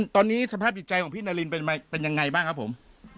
ตอนนี้สภาพจิตใจของพี่นารินเป็นยังไงบ้างครับผม